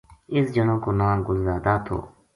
اس جنا کو ناں گل زادا تھو